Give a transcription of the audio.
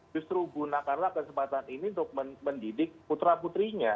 justru gunakanlah kesempatan ini untuk mendidik putra putrinya